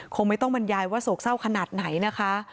คงไม่ต้องบรรยายว่าโศกเศร้าขนาดไหนนะคะ